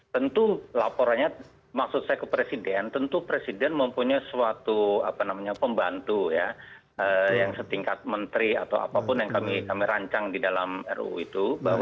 tentu laporannya maksud saya ke presiden tentu presiden mempunyai suatu pembantu yang setingkat menteri atau apapun yang kami rancang di dalam ruu itu